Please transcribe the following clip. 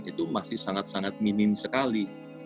itu masih sangat sangat minim sekali